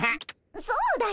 そうだよ。